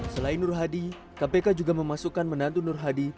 selain nur hadi kpk juga memasukkan menantu nur hadi